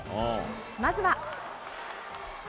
まずは。